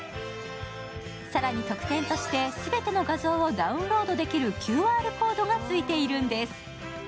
更に、特典として全ての画像をダウンロードできるＱＲコードがついているんです。